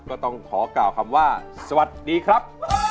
ก็ต้องขอกล่าวคำว่าสวัสดีครับ